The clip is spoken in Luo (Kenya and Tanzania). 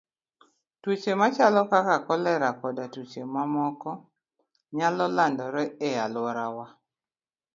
Tuoche machalo kaka kolera koda tuoche mamoko, nyalo landore e alworawa.